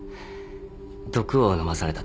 毒を飲まされたって。